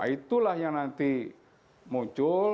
itulah yang nanti muncul